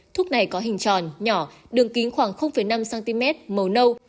thuốc này có hình tròn nhỏ đường kính khoảng năm cm màu nâu